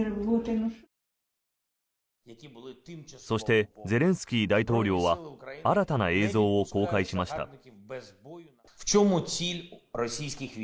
そして、ゼレンスキー大統領は新たな映像を公開しました。